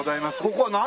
ここは何？